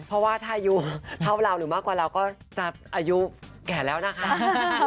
เพราะว่าถ้าอายุเท่าเราหรือมากกว่าเราก็จะอายุแก่แล้วนะคะ